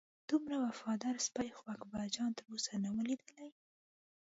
دومره وفاداره سپی خو اکبرجان تر اوسه نه و لیدلی.